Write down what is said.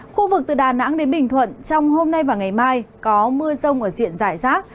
khu vực từ đà nẵng đến bình thuận trong hôm nay và ngày mai có mưa rông ở diện giải rác